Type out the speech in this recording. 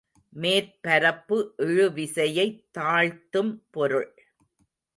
மேற்பரப்பு இழுவிசையைத் தாழ்த்தும் பொருள்.